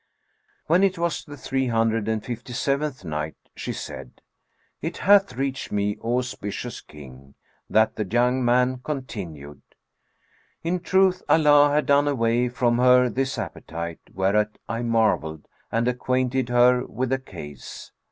When it was the Three Hundred and Fifty seventh Night, She said, It hath reached me, O auspicious King, that the young man continued: "In truth Allah had done away from her this appetite; whereat I marvelled and acquainted her with the case.